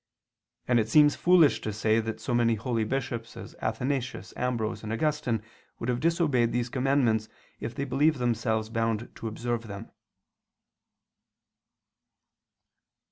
And it seems foolish to say that so many holy bishops as Athanasius, Ambrose, and Augustine would have disobeyed these commandments if they believed themselves bound to observe them.